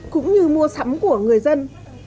cũng như mua sắm của người dân